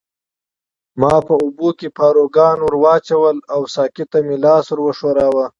ما په اوبو کې پاروګان ورواچول او وه ساقي ته مې لاس وښوراوه.